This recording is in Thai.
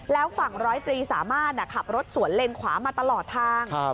แล้วฝั่งร้อยตรีสามารถขับรถสวนเลนขวามาตลอดทาง